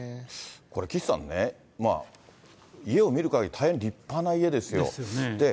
これ、岸さんね、家を見るかぎり、大変立派な家ですよ。